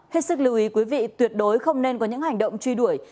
hết sức lưu ý quý vị tuyệt đối không nên có những hành động truy đuổi